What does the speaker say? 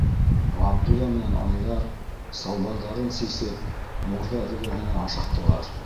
Ғабдулла менән Айҙар, салбарҙарын сисеп, мурҙа эргәһенә ашыҡтылар.